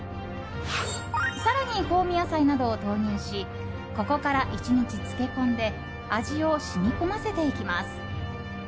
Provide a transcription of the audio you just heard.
更に香味野菜などを投入しここから１日漬け込んで味を染み込ませていきます。